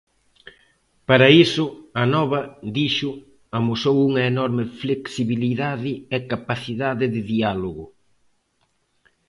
Para iso, Anova, dixo, amosou unha enorme flexibilidade e capacidade de diálogo.